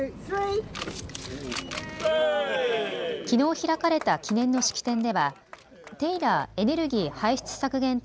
きのう開かれた記念の式典ではテイラーエネルギー・排出削減